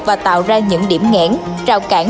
và tạo ra những điểm ngãn rào cản